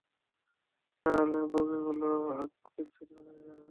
তাহলে বগিগুলো বিচ্ছিন্ন হয়ে যাবে।